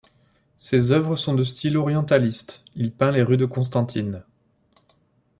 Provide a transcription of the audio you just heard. Ses œuvres sont de style orientaliste, il peint les rues de Constantine.